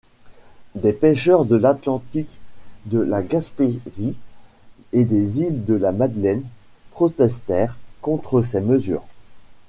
Des pêcheurs de l'Atlantique, de la Gaspésie et des Îles-de-la-Madeleine protestèrent contre ces mesures.